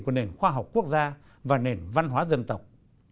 của nền khoa học quốc gia và nền văn hóa dân tộc